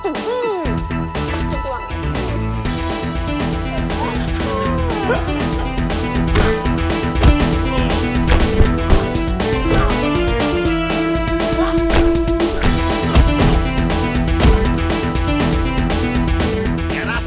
tidak ada manis